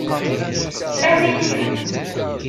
Awi ti.